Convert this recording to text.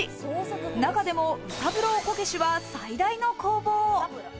中でも卯三郎こけしは最大の工房。